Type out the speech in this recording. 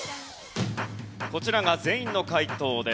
こちらが全員の解答です。